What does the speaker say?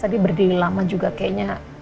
tadi berdiri lama juga kayaknya